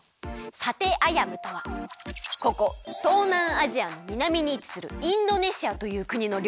サテ・アヤムとはこことうなんアジアのみなみにいちするインドネシアというくにのりょうり。